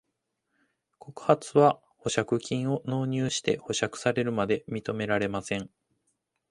告発は保釈金を納入して保釈されるまで認められません。